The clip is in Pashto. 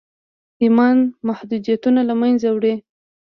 ايمان محدوديتونه له منځه وړي.